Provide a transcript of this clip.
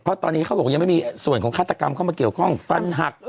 เพราะตอนนี้เขาบอกยังไม่มีส่วนของฆาตกรรมเข้ามาเกี่ยวข้องฟันหัก